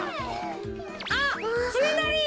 あっつねなり！